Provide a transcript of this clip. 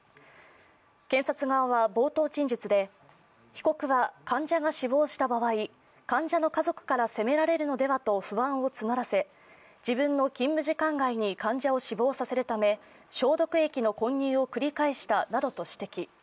検察側は冒頭陳述で被告は患者が死亡した場合、患者の家族から責められるのではと不安を募らせ自分の勤務時間外に患者を死亡させるため消毒液の混入を繰り返したなどと指摘。